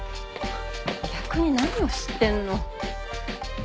逆に何を知ってんの？